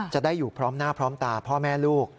จะได้อยู่พร้อมหน้าพร้อมตาพ่อแม่ลูก